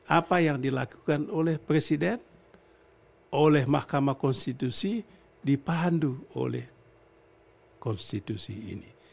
apa yang dilakukan oleh presiden oleh mahkamah konstitusi dipandu oleh konstitusi ini